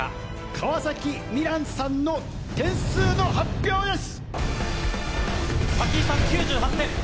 川嵜心蘭さんの点数の発表です！